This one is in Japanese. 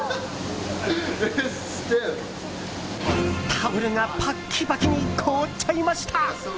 タオルがパッキパキに凍っちゃいました！